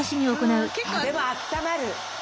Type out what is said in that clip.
でもあったまる。